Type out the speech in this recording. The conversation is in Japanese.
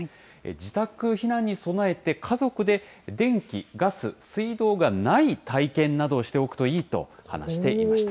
自宅避難に備えて、家族で電気、ガス、水道がない体験などをしておくといいと話していました。